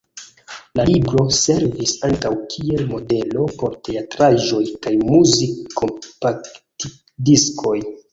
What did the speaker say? La libro servis ankaŭ kiel modelo por teatraĵoj kaj muzik-kompaktdiskoj.